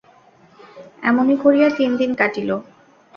এমনি করিয়া তিন দিন কাটিল।